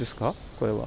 これは。